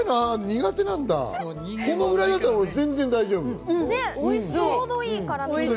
これぐらいだったら、俺は全然大丈夫。